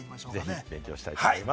勉強したいと思います。